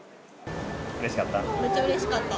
うれしかった？